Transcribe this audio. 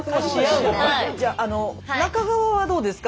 じゃあ中側はどうですか？